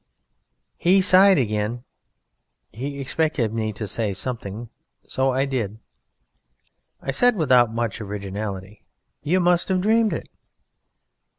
He sighed again. He expected me to say something. So I did. I said without much originality: "You must have dreamed it."